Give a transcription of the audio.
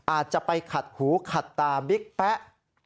อาจจะไปขัดหูขัดตาบิ๊กแป๊ะ